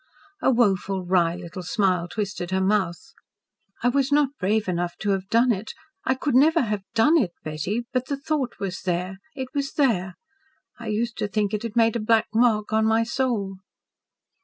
A woeful, wry little smile twisted her mouth. "I was not brave enough to have done it. I could never have DONE it, Betty; but the thought was there it was there! I used to think it had made a black mark on my soul."